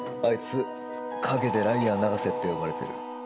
あいつ陰でライアー永瀬って呼ばれてる。